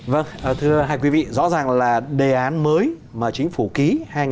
vâng thưa hai quý vị rõ ràng là đề án mới mà chính phủ ký hai nghìn một mươi bốn